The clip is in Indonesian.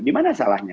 di mana salahnya